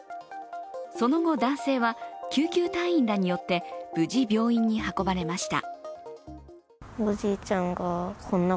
その後、男性は救急隊員らによって無事、病院に運ばれました。